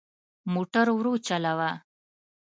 موټر ورو چلوه.